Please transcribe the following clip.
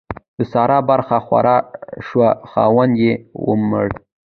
د سارا برخه خواره شوه؛ خاوند يې ومړ.